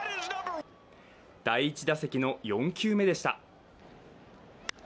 第１打席の４球目でした。